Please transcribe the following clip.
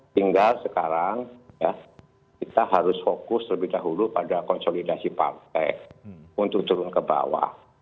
tinggal sekarang ya kita harus fokus lebih dahulu pada konsolidasi partai untuk turun ke bawah